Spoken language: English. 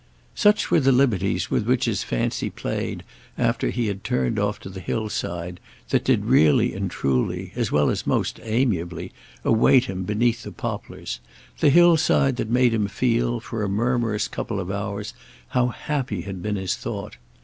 Such were the liberties with which his fancy played after he had turned off to the hillside that did really and truly, as well as most amiably, await him beneath the poplars, the hillside that made him feel, for a murmurous couple of hours, how happy had been his thought.